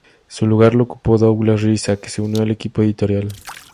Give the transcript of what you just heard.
Su lugar lo ocupó Douglas Riza, que se unió al equipo editorial.